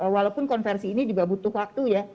walaupun konversi ini juga butuh waktu ya